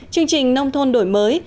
chương trình nông thôn đổi mới